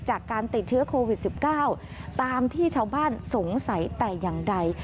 จากการติดเชื้อโควิด๑๙ตามที่ชาวบ้านสงสัยแต่อย่างใด